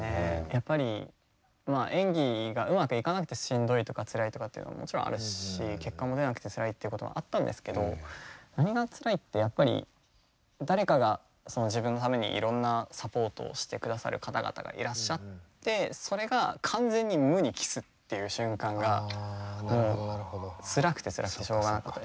やっぱり演技がうまくいかなくてしんどいとかつらいとかっていうのももちろんあるし結果も出なくてつらいっていうこともあったんですけど何がつらいってやっぱり誰かが自分のためにいろんなサポートをしてくださる方々がいらっしゃってそれが完全に無に帰すっていう瞬間がもうつらくてつらくてしょうがなかったですね。